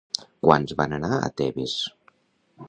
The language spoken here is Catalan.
Quants van anar a Tebes?